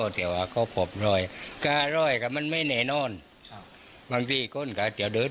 เดี๋ยวว่าเขาพบรอยก็รอยกันมันไม่แน่นอนมันพี่คนก็เดี๋ยวเดิน